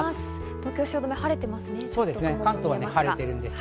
東京・汐留、晴れてますね。